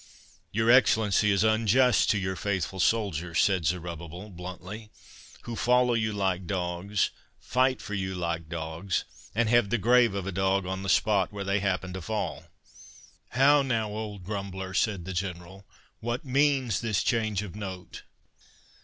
"Your Excellency is unjust to your faithful soldiers," said Zerubbabel, bluntly, "who follow you like dogs, fight for you like dogs, and have the grave of a dog on the spot where they happen to fall." "How now, old grumbler," said the General, "what means this change of note?"